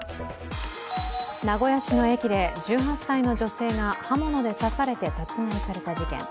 名古屋市の駅で１８歳の女性が刃物で刺されて殺害された事件。